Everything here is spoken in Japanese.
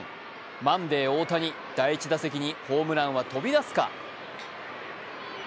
マンデー大谷、第１打席にホームランは飛び出すか？